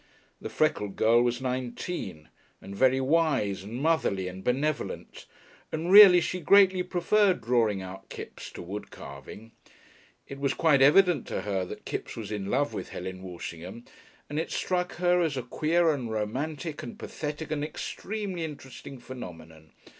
The freckled girl was nineteen, and very wise and motherly and benevolent, and really she greatly preferred drawing out Kipps to wood carving. It was quite evident to her that Kipps was in love with Helen Walshingham, and it struck her as a queer and romantic and pathetic and extremely interesting phenomenon.